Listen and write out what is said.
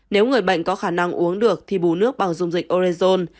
nếu người bệnh có khả năng uống được thì bù nước bằng dung dịch orezon